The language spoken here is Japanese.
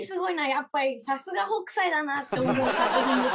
やっぱりさすが北斎だなって思う作品ですよね。